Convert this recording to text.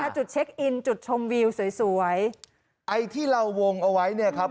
จุดเช็คอินจุดชมวิวสวยสวยไอ้ที่เราวงเอาไว้เนี่ยครับ